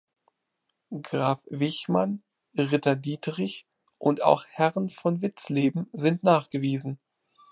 Graf Wichmann, Ritter Dietrich und auch Herren von Witzleben sind nachgewiesen.